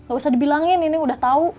gak usah dibilangin ini udah tau